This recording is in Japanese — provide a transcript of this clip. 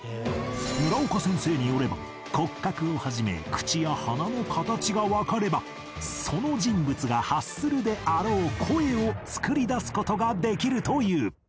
村岡先生によれば骨格を始め口や鼻の形がわかればその人物が発するであろう声を作り出す事ができるという